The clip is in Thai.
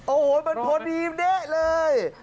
โอ้โหมันพอดีเด๊ะเลย